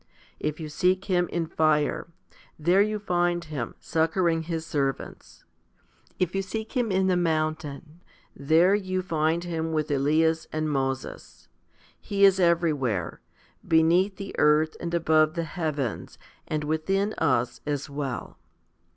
If you seek Him in fire, there you find Him, succouring His servants. If you seek Him in the mountain, there you find Him with Elias and Moses. He is everywhere beneath the earth, and above the heavens, and within us as well.